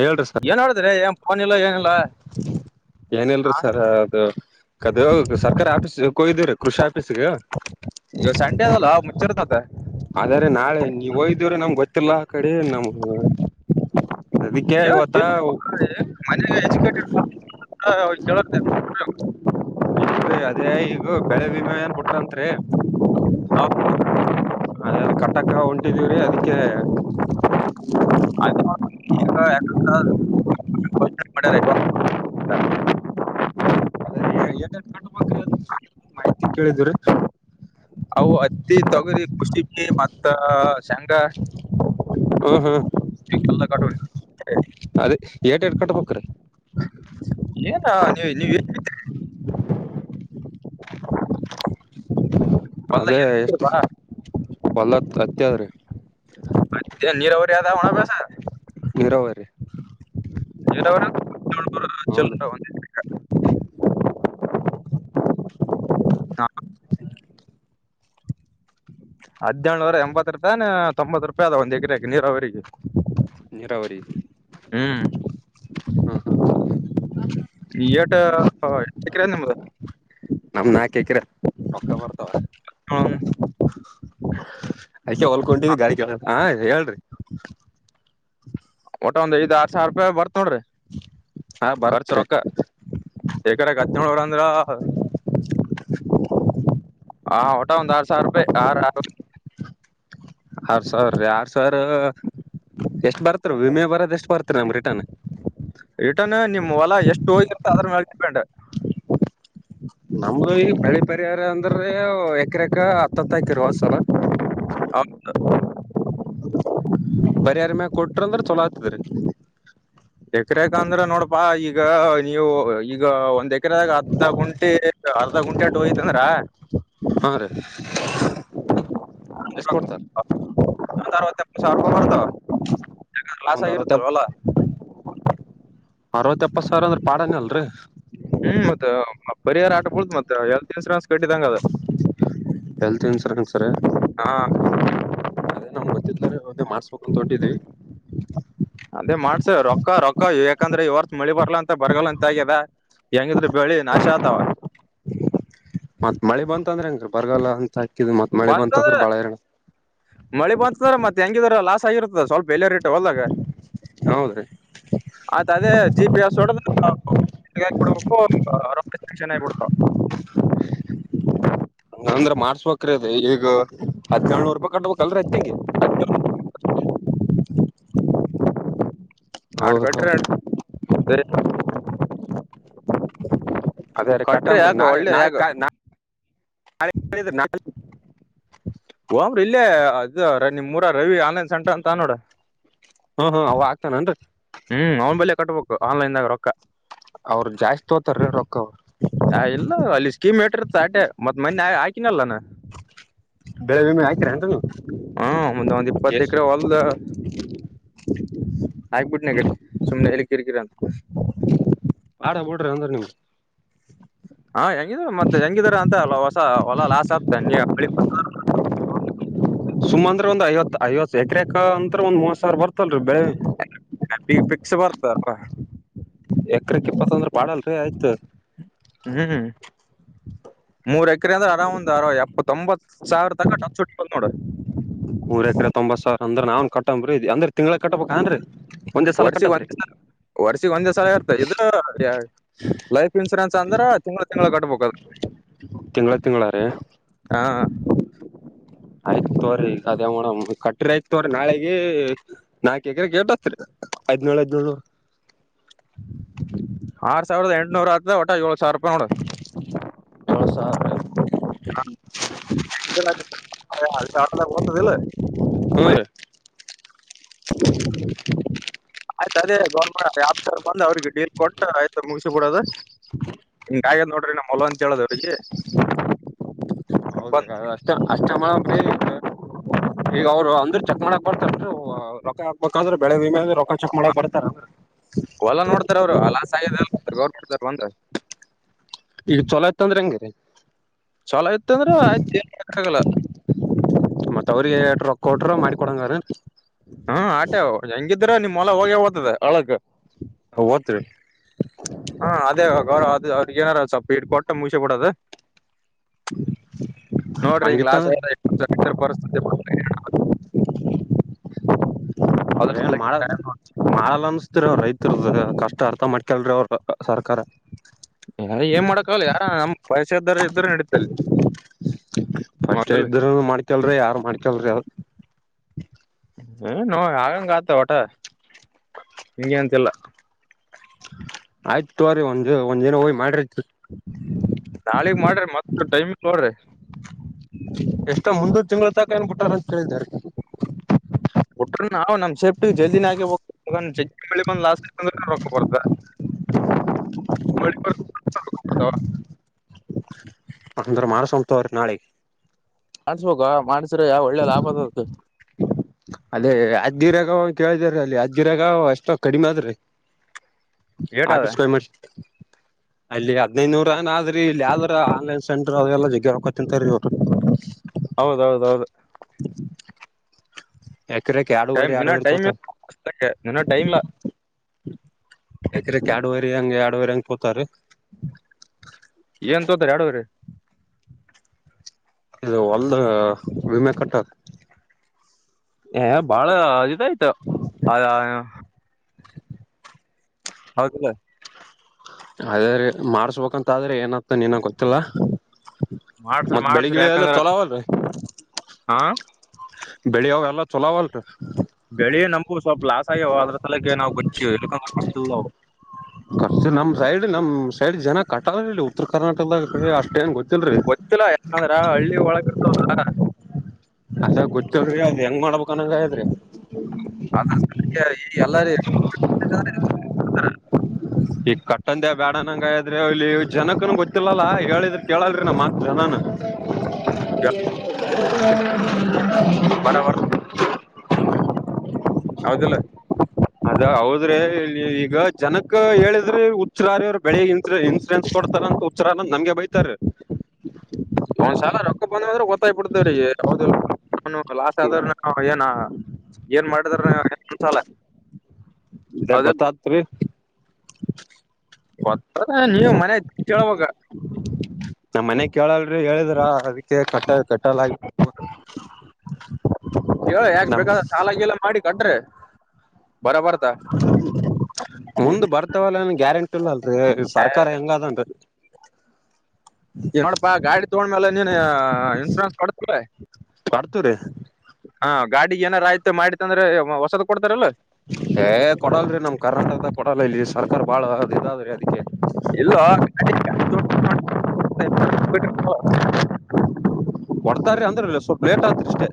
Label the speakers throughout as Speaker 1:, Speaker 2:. Speaker 1: ಹೇಳ್ರಿ ಸರ್
Speaker 2: ಏನ್ ಮಾಡಡಿದ್ರೆ ಏನ್ ಫೋನ್ ಇಲ್ಲ ಏನಿಲ್ಲ
Speaker 1: ಏನಲ್ರರಿ
Speaker 2: ಆ?
Speaker 1: ಸರ್ ಅದು ಕದ ಸರ್ಕಾರಿ ಆಫೀಸ್ ಕೋಗ್ದೀ್ರೀ ಕೃಷಿ ಆಫೀಸ್ಗೆ
Speaker 2: ಇವ ಸಂಡೆ ಅದಲ್ಲ ಮುಚ್ಚಿರ್ತದೆ
Speaker 1: ಆದ್ರ ನಾಳೆ ನೀವ ಹೋ್ದವ್ರೆ ನಮ್ಗೆ ಗೊತ್ತಿಲ್ಲ ಆ ಕಡೆ ನಮ್ ಅದಕ್ಕೆ ಇವತ್ತ
Speaker 2: ಮಜು
Speaker 1: ರಿ ಅದೇ ಈಗ ಬೆಳೆ ವಿಮಯ ಏನ್ ಬಿಟ್ರಂತ್ರಿ
Speaker 2: ಹೌ
Speaker 1: ಅದಲ್ಲ ಕಟ್ಟಕ್ಕ ಹೊಂಟಿದೀವ್ರೀ ಅದಕ್ಕೆ
Speaker 2: ಆ [inaudible] [inaudible]
Speaker 1: ಕು್ರ ಮಾಹಿತಿ ಕೇಳಿದ್ರಿ [unintelligible]
Speaker 2: ಅವು ಅತ್ತಿ ತೊಗರಿ ಕುಖುಷಿಿ ಮತ್ತ ಶೇಂಗಾ
Speaker 1: ಹ ಹಾ
Speaker 2: [unintelligible]
Speaker 1: ಕಟಪಕರೆ [unintelligible]
Speaker 2: ಏನ ನೀವ [unintelligible] ಹೊಲ್ದಾಗ
Speaker 1: ಅದೇ
Speaker 2: ಏನ್
Speaker 1: ಎಷ್ಟ
Speaker 2: ಬಿತ್ತಿರ್ಬಾ?
Speaker 1: ಹೊಲ ಅತ್ತ ರೀ
Speaker 2: ನೀರಾವರಿ ಯದಾವಣ ಬಸ
Speaker 1: ನೀರಾವರಿ ಹೌದು
Speaker 2: [unintelligible] [inaudible] ಹದನೇಳುವರೆ ಎಂಬತ್ತು ರೂಪಾಯ ತೊಂಬತ್ತ್ತು ರೂಪಾಯಿ ಅದ ಒಂದ್ ಎಕರೆಕ ನೀರಾವರಿಗೆ
Speaker 1: ನೀರಾವರಿ
Speaker 2: ಹ್ಮ್
Speaker 1: ಹ್ಮ
Speaker 2: ಎಟ ಎಕರ ನಿಮ್ಮದು
Speaker 1: ನಮ ನಾಕ ಹಕಿರ ರೊಕ್ಕ ಬರ್ತಾವ
Speaker 2: ಹ್ಮ್
Speaker 1: ಅ್ಕ ಹೊಲ್ಕೊಟಿದ್ದಿ ಗಾಡ ಕೇಳ ಹ ಹೇಳ್ರಿ
Speaker 2: ಒಟ ಒಂದ ಆರ್ ಸಾವಿರ ರೂಪಾಯಿ ಬರ್ ನೋರಿ
Speaker 1: ಹಾ
Speaker 2: ಖರ್ಚು
Speaker 1: ಬರ್ತ್ರಿ
Speaker 2: ರೊಕ್ಕ ಬೇಕಡೆ ಹದ ನೋರ ಅಂದ್ರ ಹಾ ಹೊಟ ಹ ಆ ಸಾವ ರೂಪೆ ಯ
Speaker 1: ಆರ್ ಸಾವಿರೀ ಆರ್ ಸಾವಿರ ಎಷ್ಟ ಬರತ್ ವಿಮೆ ಬರೋದ ಎಷ್ಟ
Speaker 2: ರಿಟನ್ ನಿಮ್ ಹೊಲ ಎಷ್ಟು ಹೋಗಿರುತ್ತ ಅದ್ರ ಮ ಡಿಪೆಂಡ್
Speaker 1: ನಮ್ದು ಈಗ ಬಳಿ ಪರಿಹಾರ ಅಂದ್ರೆ ಎಕ್ರಕ ಹತ್ತ ಹತ್ತ ಹಾಕಿರುವ ಸಲ ಬರಿರ ಮ್ಯಾಗ ಕೊಟ್ರ ಅಂದ್ರ ಚಲೋ ಆತ್ತದ್ರೀ
Speaker 2: ಎಕರೆಗ ಅಂದ್ರ ನೋಡಪಾ ಈಗ ನೀವು ಈಗ ಒಂದ್ ಎಕರೆಗ ಹದ ಗುಂಟೆ ಹಲ್ದ ಗುಂಟೆಟ ಹೋಯ್ತಂದ್ರ
Speaker 1: ಹಾ ರೀ ಎಷ್ಟ್ ಕೊಡ್ತಾರ
Speaker 2: [unintelligible] ಯಾರ ಲಾಸ್
Speaker 1: ಒಂದ್ ಅರವತ್ತ
Speaker 2: ಆಗಿರುತ್ತಲ್ವಲ್ಲ
Speaker 1: ಅಪ್ಪ ಸರ್ ಅಂದ್ರ ಪಾಡನ ಅಲ್ರಿ
Speaker 2: ಹ್ಮ್ ಮತ್ತ ಪರಿಹಾರ ಆಟ ಬೀಳ್ತ್ ಮತ್ತ ಹೆಲ್ತ್ ಇನ್ಸೂರೆನ್ಸ್ ಕಟ್ಟಿದಂಗ ಅದ
Speaker 1: ಹೆಲ್ತ್ ಇನ್ಸೂರೆನ್ ಸರ್ [inaudible]
Speaker 2: ಹಾ ಅದೇ ಮಾಡ್ಸ ರೊಕ್ಕ ರೊಕ್ಕ ಯಾಕಂದ್ರೆ ಇವರ್ ಮಳಿ ಬರ್ಲ ಅಂತ ಬರ್ಗಲ್ಲ ಅಂತ ಆಗಿದೆ ಹೆಂಗಿದ್ರರು ಬೆಳಿ ನಾಶ ಆಗ್ತಾವ
Speaker 1: ಅಂದ್ರ ಅಂಗ ಬರಲ್ಲ ಅಂತ ಹಾಕಿದ್ ಮತ್ ಮಳಿ
Speaker 2: ಬಂತಂದ್ರ
Speaker 1: ಬಾಳ ಹೈರಾಣ
Speaker 2: ಮಳಿ ಬಂತಂದ್ರ ಮತ್ತೆ ಹೆಂಗಿದ ಲಾಸ್ ಆಗಿರುತ್ತದ ಸ್ವಲ್ಪ [unintelligible] ರೇಟ್ ಅಲಾಗ
Speaker 1: [inaudible]
Speaker 2: ಆತ್ ಅದೇ ಜಿ ಪಿ ಎಸ್ಡಬಡ್ಬೇಕುಕ್ಷ ಆಬಡ್ತ
Speaker 1: ಹಂಗ್ ಅಂದ್ರ ಮಾಡಸ್ಬೇಕಕ್ರದ ಈಗ ಹದ್ವರ್ [unintelligible] ಕಟ್ಬೇಕಲ್ರ ಅಚ್ಚೆಗೆ ಹೌದ
Speaker 2: ಆಡ್ಕಟ್ರಿ
Speaker 1: ಅದೇ ರೀ
Speaker 2: ಕಟ್ರಿ
Speaker 1: ಕಟ್ಟಂಬೀ
Speaker 2: ಯಾಕ
Speaker 1: ನಾಳೆ
Speaker 2: ಒಳ್ಳೆ
Speaker 1: ನಾಳೆ
Speaker 2: ಯಾಕ
Speaker 1: ಕಾ ನಟ [inaudible]
Speaker 2: ಓಮ್ರ ಇಲ್ಲೇ ಅದು ನಿಮ ಮೂರ ರವಿ ಆನ್ಲೈನ್ ಸೆಂಟ್ರ ಅಂತ ನೋಡ
Speaker 1: ಹ್ಮ್ ಹ್ಮ ಅವ ಆಗ್ತಾನನ್ರಿ
Speaker 2: ಹ್ಮ್ ಅವ್ನ್ ಬಳಿಯ ಕಟ್ಬೇಕು ಆನ್ಲೈನ್ದಾಗ ರೊಕ್ಕ
Speaker 1: ಅವರು ಜಾಸ್ತಿ ಹೋತಾರೀ ರೊಕ್ಕ ಅವರು
Speaker 2: ಹ ಇಲ್ಲ ಅಲ್ಲಿ ಸ್ಕೀಮ್ ಇಟ್ಟಿರ್ತ ಅಟೆ ಮತ್ ಮನೆ ಹಾಕಿನಲ್ಲಾನ
Speaker 1: ಬೆಳೆ ವಿಮೆ ಹಾಕಿರೇನ್ರಿ ನೀವು
Speaker 2: ಹಾ ಒ ಒಂದು ಇಪ್ಪತ್ತ
Speaker 1: ಎಸ್
Speaker 2: ಎಕರೆ ಹೊಲ್ದ ಆಯಬಿಟ್ನಗಡೆ ಸುಮ್ನೆ ಎಲ್ಲಿ ಕಿರಿಕಿರ ಅಂತ
Speaker 1: ಬಾಡ ಬಿಡ್ರಿ ಅಂದ್ರ ನೀಮ್
Speaker 2: ಹಾ ಹೆಂಗಿದಾರ ಮತ್ತೆ ಹೆಂಗಿದಾರ ಅಂತ ಹೊಸ ಹೊಲ ಲಾಸ್ ಆಗ್ತ
Speaker 1: ಸುಮ ಅಂದ್ರೆ ಒಂದ್ ಐವತ್ತು ಐವತ್ತು ಎಕರೆಕ ಅಂತ್ರ ಒಂದ್ ಮೂವತ್ ಸಾವಿರ ಬರ್ತದೆ
Speaker 2: ಗ ಪಿಸ್ ಬರ್ತಾರವಾ
Speaker 1: ಎಕ್ರಕ್ ಇಪ್ಪತ್ತೊಂದ್ರ ಪಾಡಲ್ರಿ ಆಯ್ತು
Speaker 2: ಹ್ಮ್ ಮೂರ್ ಎಕರೆ ಅಂದ್ರ ಅರೌಂದ್ ಎಪ್ಪತ್ತೊಂಬತ್ತ್ತು ಸಾವಿರ ತನ ಟಚ್ಟ್ಟ ಬ್ ನೋಡ್ರಿ
Speaker 1: ಮೂರರ್ ಎಕ್ರ ತೊಂಬತ್ ಸಾವಿರ ಅಂದ್ರ ನನ್ ಕಟಂಬ್ರಿ ಇದ ಅ್ರ ತಿಂಗಗಳಗ್ ಕಬೇಕ ಅನ್ ಒಂದೇ ಸಲ ಕಟ್ಟದ್ರೀ
Speaker 2: ವರ್ಷಿಗ ಒಂದೇ ಸಲ ಇರ್ತ ಇದು ಲೈಫ್ ಇನ್ಶೂರೆನ್ಸ್ ಅಂದ್ರ ತಿಂಗ್ಳ ತಿಂಗಗಳುಳ ಕಟ್ಬು ಬಲ್
Speaker 1: ತಿಂಗಳ ತಿಂಗಳಾರ ಆಯ್ತ ತೋ್ರಿ ಅದ ಮಡಮ್ ಕಟ್ರಿ ಆಯ್ತ ತೋ್ರಿ ನಾಳಗ ನಾಕ ಎಕ್ರ ಗೇಟತ್ರಿ ಹದಿನೇಳು ಹದಿನೇಳು
Speaker 2: [unintelligible] ಆರ್ ಸಾವಿರದ ಎಂಟನೂರ ಆತ ಒಟ ಏಳ ಸಾವಿರ ರೂಪಾಯಿ ನೋಡ
Speaker 1: ಏಳ್ ಸಾವಿರ
Speaker 2: ಹ [unintelligible] ಅಲ್ಲ ಬತದಲ್ಲ
Speaker 1: ಹ್ಮ್ ರೀ [unintelligible]
Speaker 2: ಆಯ್ತು ಅದೇ ಗೌರ್ಮೆಂಟ್ ಯಫಸರ್ ಬಂದ್ ಅವ್ರಿಗೆ ಡೀಲ್ ಕೊಟ್ ಆಯ್ತ್ ಮುಗಸ ಬಿಡೋದು ಹಂಗ ಹಾಗದ್ ನೋಡ್ರಿ ನಮ್ಮ ಮೊಲ ಅಂತ ಹೇಳುದು್ ಅವ್ರಿಗೆ
Speaker 1: ಹೌದ್ರ
Speaker 2: ಬಂದ್
Speaker 1: ಅಷ್ಟ ಅಷ್ಟ ಮಾಡ ಈಗ ಅವರು ಅಂದ್ರರು ಚೆಕ್ ಮಾಡಕ್ ಬರ್ತಾರಾ ರೊ ಹಾಕ್ಬೇಕಂದ್ರೆ ಬೆಳೆ ವಿಮೇಲಿ ರೊಕ್ಕಾ ಚೆಕ್ ಮಾಡಕ್ ಬರುತ್ತೇನು
Speaker 2: ಹೊಲ ನೋಡ್ತಾರ ಅವರು ಲಾಸ್ ಆಗ್ಯದ್ ಗೌರ್ನಮೆಂಟ್ ನೋಡ್ತಾರ ಬಂದು
Speaker 1: ಈಗ ಚೊಲೋ ಇತ್ ಅಂದ್ರೆ ಹೆಂಗೆ
Speaker 2: ಚಲೋ ಇತ್ ಅಂದ್ರೆ ಆಯ್ತು ಏನು ಮಾಡೋಕ್ ಆಗಲ್ಲ
Speaker 1: ಮತ್ ಅವ್ರಿಗೆ ಎಟ್ ರೊಕ್ಕ ಕೊಟ್ರ ಮಾಡಿ ಕೊಡಂಗಾರ
Speaker 2: ಹಾ ಆಟೆ ಅವು ಹೆಂಗಿದ್ರ ನಿಮ್ೊಲ ಹೋಗೇ ೋಗ್ತದೆ ಅಳಕ್
Speaker 1: ಹೋತ್ರಿ
Speaker 2: ಇರು ಅ ಅವ್ರಿಗೆ ಏನಾರ ಸ್ವಪ ಇಟ್ಟ ಕೊಟ್ಟ ಮುಸಬಡದು
Speaker 1: ಹ್ಮ
Speaker 2: ನೋಡ್ರಿ ಹಂಗ ಲಾಸ್ [unintelligible] [unintelligible] ಪರಿಸತ
Speaker 1: ಏನ್ ಮಾಡ
Speaker 2: ಹಿಂಗ್ ಆಗ್ಯಾದ
Speaker 1: ಮಾಡಲ್ಲ ಅನ್ಸ್ತರ ರೈತರದ ಕಷ್ಟ ಅರ್ಥ ಮಾಡ್ತ ಕೆಲ್ರಿ ಅವ್ರ ಸರ್ಕಾರ
Speaker 2: ಏನ್ ಮಾಡಕ್ಕಾಗಲ್ಲ ಯಾರ ನಮ್ ಪೈಸ ಇದ್ದಾರ ಇದರುೂ ನಡೀತಲ್ಲಿ
Speaker 1: ಸ್ಟ್
Speaker 2: ಮೊದಲು
Speaker 1: ಇದ್ರ ಮಾಡ್ಕಲ್ರರಿ ಯಾರು ಮಾಡ್ಕಲ್
Speaker 2: ಏ ನೋ ಆಗಂಗ ಗತ ಹೊಊಟ ಹಂಗೆ ಅಂತೆಲ್ಲ
Speaker 1: ಆಯ್ತ ತೋರಿ ಒಂದ್ ಒಂದ್ ಜನ ಹೋಗ್ ಮಾಡ್ರ
Speaker 2: ನಾಳಗ್ ಮಾಡ್ರಿ ಮತ್ತ ಟೈಮಗ ತಗೋಳ್ರಿ
Speaker 1: ಎಷ್ಟೋ ಮುಂದ ತಿಂಗಳ ತಕ ಏನ್ಬುಟ್ಟಾರ ಅಂತ ಕೇಳಿದ್ದಾರೆ
Speaker 2: ಬಿಟ್ರ ನಾವ್ ನಮ್ ಸೇಫ್ಟಿ ಜಲ್ದಿನ ಆಗೇಬೇಕು ಜಗ್ಗಿ ಮಳಿ ಬಂದ್ ಲಾಸ್ ಆಯ್ತಂದ್ರ ರೊಕ್ಕ ಬರ್ದ ಮಳಿ ಬರಲ್ಲ ರೊಕ್ಕ ಬರ್ತಾವ
Speaker 1: ಅಂದ್ರ ಮಾನಸವಂತ್ ಅವ್ರ ನಾಳೆ
Speaker 2: ಮಾಡ್ಸ್ಬಬೇಕ ಮಾಡ್ಸ್ರೆ ಯಾವ ಒಳ್ಳೆ ಲಾಭ ಅದತ್
Speaker 1: ಅದೇ ಆದಜ್್ದಿ ರಾಗ ಕೇಳಿದಾರ ಅಲ್ಲಿ ಆದಜ್್ದಿ ರಾಗ ಅಷ್ಟೋ ಕಡಿಮೆ ಅ ಆದ್ರೀ
Speaker 2: ಏಟ್ ಅದ
Speaker 1: ಆಿಸಕ ಮರ್ [unintelligible] [unintelligible]
Speaker 2: [unintelligible] [inaudible]
Speaker 1: ಅಲ್ಲಿ ಹದ್ೈದುನೂರ ಏನ್ ಆದ್ರಿ ಇಲ್ಲಿ ಯಾವ್ದ್ರ ಆನ್ಲೈನ್ ಸೆಂ್ರ ಅ್ರಲ್ಲ ಜಗ್ಗ ರೊಕ್ಕಾ ತಿಂತಾರೀ ಅವರು
Speaker 2: ಹೌದೌದೌದು
Speaker 1: ಎಕೆರೆಕ ಆಡುವರಿ
Speaker 2: ಟೈಮ್ ಇನ್ನ
Speaker 1: ಆಡುವರಿ
Speaker 2: ಟೈಮ್
Speaker 1: ತೋತ
Speaker 2: ಇನ್ನ ಟೈಮ್ ಇಲ್ಲ
Speaker 1: ಯಕ್ರ ಎರಡುವರಿ ಹಂಗೆ ಎರಡುವರೆ ಹಂಗ ಪತಾರೆ
Speaker 2: ಏನ್ ತೋತಿ ಎರದುವರೆಗೆ
Speaker 1: ಇದು ಒಲ್ ವಿಮೆ ಕಟ್ಟದ
Speaker 2: ಬಾಳ [unintelligible] ಅ ಆಯ್ತ ಅ ಹೌದಲ್ಲ
Speaker 1: ಅದೇೆ ಮಾಡ್ಸ್ಬೇಕಂತಾದ್ರೆ ಏನತ ನೀನ ಗೊತ್ತಿಲ್ಲ
Speaker 2: ಮಾಡ್ಸ್ರಿ
Speaker 1: ಮತ್ತ
Speaker 2: ಮಾಡ್ಸ್ರಿ
Speaker 1: ಬೆಳಿಗ್ಳ ಎಲ್ಲ
Speaker 2: ಯಾಕಂದ್ರ
Speaker 1: ಚಲೋ ಅವಲ್ರಿ
Speaker 2: ಹಾ
Speaker 1: ಬೆಳಿ ಎಲ್ಲ ಚಲೋಾವಲ್ಟ
Speaker 2: ಬೆಳಿ ನಮಗೂ ಸ್ವಲ್ಪ ಲಾಸ್ ಆಗ್ಯವು ಅದ್ರ ಸಲಕ್ಕೆ ನಾವು ಗಟ್ಟವು [unintelligible]
Speaker 1: ಖರ್ಚು ನಮ್ ಸೈಡ್ ನಮ್ ಸೈಡ್ ಜನ ಕಟಾಲ ಇಲ್ಲಿ ಉತ್ತರ ಕರ್ನಾಟಕದಾಗ ಅಷ್ಟೇಏನ್ ಗೊತ್ತಿಲ್ರಿೀ
Speaker 2: ಗೊತ್ತಿಲ್ಲ ಯಾಕಂದ್ರ ಹಳ್ಳಿ ಒಳಗ ಇರ್ತಾವ್ರ [unintelligible]
Speaker 1: ಅದ ಗೊತ್ತ್ರ ಅದು ಹೆಂಗ ಮಾಡ್ಬೇಕು. ಕನಂಗಿದ್ರೆ
Speaker 2: ಅದ್ರ ಸಲಕ್ಕೆ ಈ ಎಲ್ಲಾರಿ
Speaker 1: [unintelligible]
Speaker 2: [unintelligible]
Speaker 1: ಈ ಕಟ್ಟಂದ ಬೇಡನಂಗದ್ರಿ ಅಲ್ಲಿ ಜನಕನ್ ಗೊತ್ತಿಲ್ಲಲ್ಲ ಹೇಳಿದ್ರ ಕೇಳಲ್ ನಮ್ಮ ಮತ್ ಜನ.
Speaker 2: [inaudible]
Speaker 1: [unintelligible]
Speaker 2: ಹೌದಲ್ಲ.
Speaker 1: ಅದ ಹೌದ್ರೆ ಇಲ್ಲಿ ಈಗ. ಜನಕ್ ಹೇಳಿದ್ರಿ ಹುಚ್ಚರಾರು ಅವರು ಬೆಳಿಗ್ ಇನ್ಸು ಇನ್ಸೂರೆನ್ಸ್ ಕೊಡ್ತಾರ ಅಂತ ಹುಚ್ಚ್ರಾರ ನಮಗೆ ಬೈತಾರ.
Speaker 2: [unintelligible] ಒಂದ್ ಸಲ ರೊಕ್ಕ ಬಂದ್ರೆ ಗೊತ್ತಾಗಬಿಡ್ತೇವ್ರೀ ನ ಲಾಸ್ ಆದ್ರ ನಾವ ಏನ. ಏನ್ ಮಾಡಿದಾರ ಅನ್ಸಲ.
Speaker 1: ಅದ ಗೊತ್ತತ್ರಿ.
Speaker 2: ಗೋತ್ತದ ನೀವ್ ಮನೆ ಕೇಳಬೇಕ್
Speaker 1: ನಮ್ ಮನೆ ಕೇಳಲ್ರಿ ಹೇಳಿದ್ರ ಅದಕ್ಕೆ ಕಟ್ಟ ಕಟ್ಟಲ ಆ
Speaker 2: ಹೇಳ ಯಾಕ್ ಬೇಕಾದ ಸಾಲ ಗಿಲಾ ಮಾಡಿ ಕಟ್ರೆ ಬರ ಬರ್ತ.
Speaker 1: ಮುಂದ್ ಬರ್ತವಲ್ಲ ಏನ್ ಗ್ಯಾರಂಟಿ ಇಲ್ಲ ಅಲ್ರರಿ ಸರ್ಕಾರ ಹೆಂಗದನ್ರಿ.
Speaker 2: ಈಗ್ ನಡಪ್ಪಾ ಗಾಡಿ ತಗೊಂಡ್ಮೇಲೆ ನೀನ್ ಇನ್ಸೂರೆನ್ಸ್ ಕಟ್ಟಿತಿಲ್ಲ.
Speaker 1: ಕೊಡ್ತರಿ.
Speaker 2: ಗಾಡಿಗ್ ಏನರ ಆಯ್ತ ಮಾಡಿತ ಅಂದ್ರೆ ಹೊಸಾದ್ ಕೊಡ್ತಾರಲ್ಲ.
Speaker 1: ಏ ಕೊಡಲ್ರೀ ನಮ್ ಕರ್ನಾಟಕದಾಗ ಕೊಡಲ್ಲ ಇಲ್ಲಿ ಸರ್ಕಾರ ಬಾಳ ಅದ್ ಇದಾದ್ರೀ ಅದಕ್ಕೆ.
Speaker 2: ಇಲ್ಲ [unintelligible]
Speaker 1: ಕೊಡ್ತಾರ್ರಿ ಅಂದ್ರ ಇ ಸ್ವಲ್ಪ ಲೇಟ್ ಆತ್ರಿ ಇಷ್ಟೇ.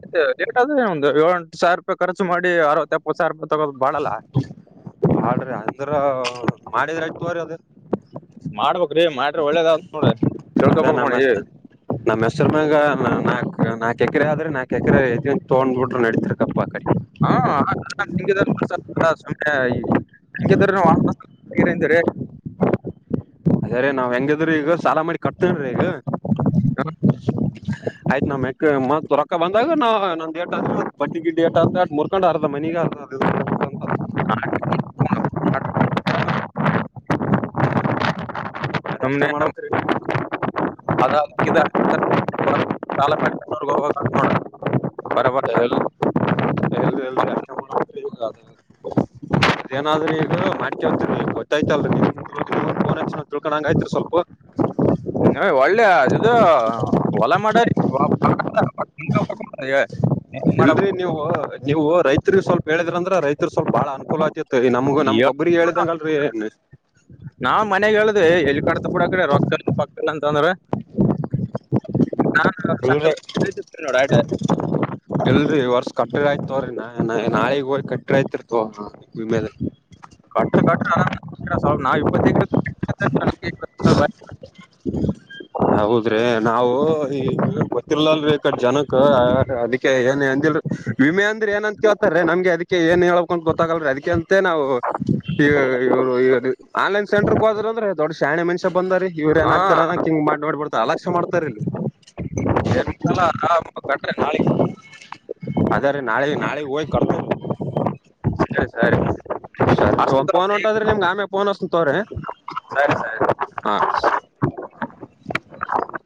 Speaker 2: ಆಯ್ತು, ರೇಟ್ ಅದೇ ಒಂದು ಎಳು ಎಂಟು ಸಾವಿರಪಾಯಿ ಖರ್ಚು ಮಾಡಿ ಅರ್.
Speaker 1: ಮಾಡಾರ್ ಅಂದ್ರ ಮಾಡಿದ್ರ್ ಆಯ್ತ್ ತಕೊಗೀರ್.
Speaker 2: ಮಾಡ್ಬಕು.
Speaker 1: ಅದ ನಮ್ಮ
Speaker 2: ನೋಡಿ
Speaker 1: ನಮ್ಮ್ ಹೆಸರ ಮಾಗ ನಾಕು ನಾಕ. ಕೆಕರೆ ಆದ್ರೆ ನಾ ಕೆಕರೆ ಇ ತಗೊಂಡ್ಬಿಟ್ರೆ ನಡತರ ಕಪ್ಪಾ ಕಡೆ.
Speaker 2: ಹ ಸುಮ್ ಹಂಗಿದ್ರ್ ನೀವ್ ವಾಪಾಸ್ [unintelligible]
Speaker 1: ಅದೆ ನಾವ್ ಹೆಂಗಿದ್ರರು ಈಗ. ಸಾಲ ಮಾಡಿ ಕಟ್ತೇನೀ ಈಗ ಆಯ್ತ್ ನಮ ತರ. ಅಕ್ಕ ಬಂದಾಗ ನಾ ನಂದು ಯೇಟ್ ಐತದ್ ಒಟ್ ಬಟ್ಟಿ ಗಿಡ್ಡಿಟ ಅ ಮುರ್ಕೊಂಡ್ ಅರ್ದ ಮನಿಗ್.
Speaker 2: ಹ [unintelligible]
Speaker 1: ಮ್ರ ಎಷ್ಟ
Speaker 2: ಸುಮ್ನೆ
Speaker 1: ಮಾಡಬೇಕ್ರಿ.
Speaker 2: ಅದ ಬೆಂಗಳೂರ್ ಗ್ ಹೋಗ್ಬೇಕ್ ಅಂತ ನೋಡ್ರಿ [unintelligible]
Speaker 1: [unintelligible] ಅದೇನಾದ್ರೂ ಈಗ ಮಾಡ್ಂತತ್ ಗೊತ್ತಾಯ್ತಲ್ರಿ. ಆಯಿತ್ರಿ ಸ್ವಲ್ಪ್.
Speaker 2: [unintelligible] ನ ಒಳ್ಳೆ ಅದು ಹೊಲ ಮಾಡರ್ [unintelligible]
Speaker 1: ಇಲ್ರರಿ ನೀವು ನೀವು ರೈತ್ರಿ ಸ್ವಲ್ಪ ಹೇಳಿದ್ರಂದ್ರ ರೈತರು ಸ್ವಲ್ಪ ಬಾಳ ಅನುಕೂಲ ಆತೇತಿ. ನಮ್ಗ
Speaker 2: ಏ,
Speaker 1: ನಮ್ಗ ಒಬ್ಬ್ರಿಗೆ ಹೇಳಿದಂಗಲ್ರಿ ಏನ್.
Speaker 2: ನಾವ್ ಮನ್ಯಾಗ ಹೇಳ್ದ್ವಿ ಎಲ್ಲಿ ಕಡತ ಬುಡ ಕಡೆ ರೊಕ್ಕ ಪಕ್ಕ ಅಂತ ಅಂದ್ರ. ನಾ [unintelligible]
Speaker 1: ಇಲ್ರರಿ ಈ ವರ್ಷ ಕಟ್ಟದ್ ಆಯ್ತತಕೊರ್ ನಾ ಕಟ್ಟರೆ ಆಯ್ತ್ ತಕೊರ್ ಆಮೇಲೆ
Speaker 2: ಕಟ್ಟರ್ ಕಟ್ತ್ರಿ ಅರಾಮ್ [unintelligible] [inaudible]
Speaker 1: ಹೌದ್ರಿ ನಾವು ಈ ಗೊತ್ತಿಲ್ ಅಲ್ರಿ ಈಕಡೆ ಜನಕ್ ಅದಕ್ಕೆ ಏನ್ ಎಂದಿಲ್ಲ. ವಿಮೆ ಅಂದ್ರೆ ಏನಂತ ಕೇಳ್ತಾರ ನಮ್ಗೆ ಅದಕ್ಕೆ ಏನ್ ಹ ಹೇಳ್ಕ್ ಗೊತ್ತಾಗಲ್ಅದಕ ಅಂತ ನಾವು ಆನ್ಲನ್ ಸೆಂರ್ಗೆ ಹೋದ್ರ ಅಂದ್ರೆ ದೊಡ್ ಶೆ ಮಷ ಬಂದಾರಿಇವ್ರ
Speaker 2: ಹಾ
Speaker 1: ಏನಾಗಗ್ತಾರಕ ಹಿಂಗ ಮಾಡ್ಬಡ್ತ ಅಲಕ್ಷ ಮಾಡ್ತಾರ ಇಲ್ಲಿ
Speaker 2: ಳ ಕಟ್ಟ ನಾೆಗೆ
Speaker 1: ಅದ್ರೆ ನಾಳೆ ನಾಳೆ ಹೋಗಿ ಕೊಡ್ತ
Speaker 2: ಸರಿ ಸರಿ
Speaker 1: ಸರಿ ಒಂದ
Speaker 2: ಅಷ್ಟಂತ
Speaker 1: ಫೋನ್ ಹೊಂಟಾದ್ರೆ ನಿಮ್ಗೆ ಆಮ್ಯ ಫೋನ್ ಅಸ ತವ್ರಿ
Speaker 2: ಸರಿ
Speaker 1: ಹಾ
Speaker 2: ಹ